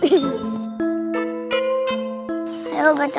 iya maksudnya lebih baik tidur